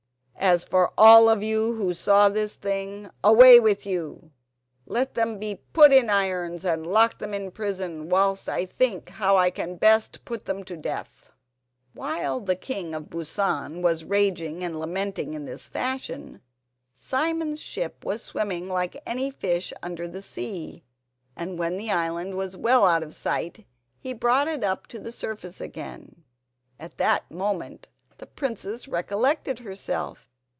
As for all of you who saw this thing—away with you! Let them be put in irons and lock them up in prison, whilst I think how I can best put them to death!" Whilst the King of Busan was raging and lamenting in this fashion, Simon's ship was swimming like any fish under the sea, and when the island was well out of sight he brought it up to the surface again. At that moment the princess recollected herself.